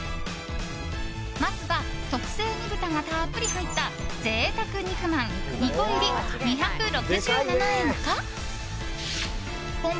まずは特製煮豚がたっぷり入った贅沢肉まん２個入り２６７円か本場